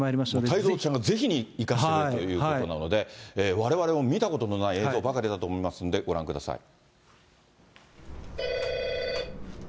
太蔵ちゃんがぜひに行かせてくれということなので、われわれも見たことのない映像ばかりだと思いますので、ご覧ください。